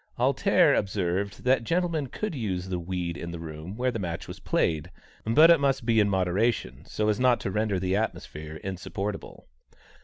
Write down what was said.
"Alter" observed that gentlemen could use the weed in the room where the match was played, but it must be in moderation, so as not to render the atmosphere insupportable.